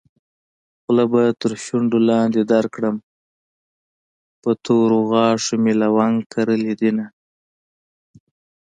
خوله به تر شونډو لاندې درکړم په تورو غاښو مې لونګ کرلي دينه